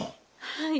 はい。